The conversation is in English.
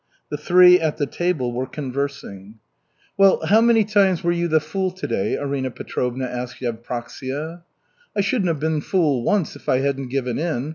The three at the table were conversing. "Well, how many times were you the 'fool' to day?" Arina Petrovna asked Yevpraksia. "I shouldn't have been fool once if I hadn't given in.